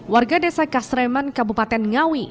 warga desa kasreman kabupaten ngawi